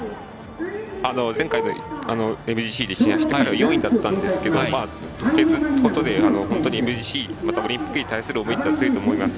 前回のＭＧＣで走った時４位だったんですけど補欠ってことでＭＧＣオリンピックに対する思いっていうのは強いと思います。